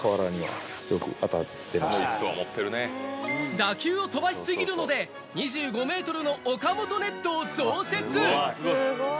打球を飛ばしすぎるので２５ｍの岡本ネットを増設。